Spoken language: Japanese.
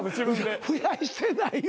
増やしてないよ。